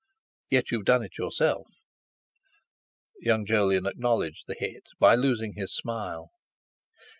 "Yet you've done it yourself!" Young Jolyon acknowledged the hit by losing his smile.